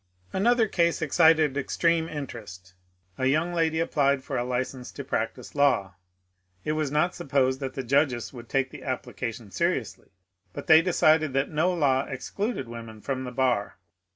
Another case excited extreme interest A young lady applied for a license to practise law. It was not supposed that the judges would take the application seri ously, but they decided that no law excluded women from the bar.